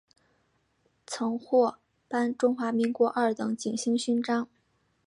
曾获颁中华民国二等景星勋章。